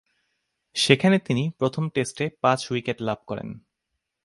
সেখানে তিনি প্রথম টেস্টে পাঁচ উইকেট লাভ করেন।